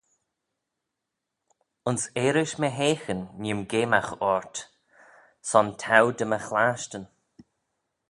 Ayns earish my heaghyn nee'm geamagh ort: son t'ou dy my chlashtyn.